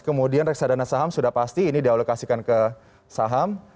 kemudian reksadana saham sudah pasti ini dialokasikan ke saham